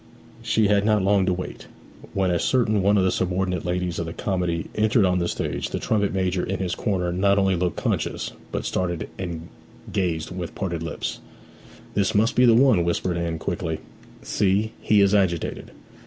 She had not long to wait. When a certain one of the subordinate ladies of the comedy entered on the stage the trumpet major in his corner not only looked conscious, but started and gazed with parted lips. 'This must be the one,' whispered Anne quickly. 'See, he is agitated!'